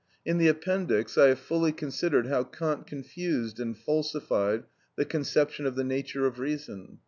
In the Appendix, I have fully considered how Kant confused and falsified the conception of the nature of reason.